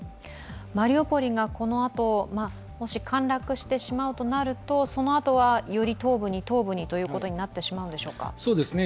マリウポリがこのあと、もし陥落してしまうとなるとそのあとはより東部に東部にということになってしまうんでしょうか。